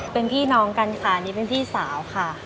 เป็นพี่น้องกันค่ะนี่เป็นพี่สาวค่ะ